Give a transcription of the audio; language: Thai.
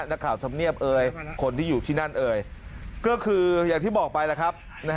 นักข่าวสำเนียบเอยคนที่อยู่ที่นั่นเอยก็คืออย่างที่บอกไปนะครับ